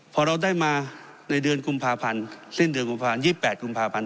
พอเราได้มาในเดือนกุมภาพันธ์สิ้นเดือนกุมภาพันธ์๒๘กุมภาพันธ์